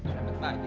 sampai ketemu lagi